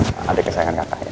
hati kesayangan kakak ya